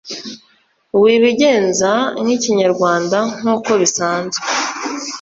wibigenza kinyarwanda nkuko bisanzwe